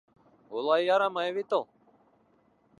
Улай ярамай бит ул.